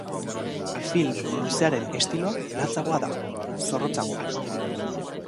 Film luzearen estiloa latzagoa da, zorrotzagoa.